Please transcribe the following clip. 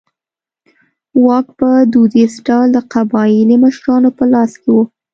واک په دودیز ډول د قبایلي مشرانو په لاس کې و.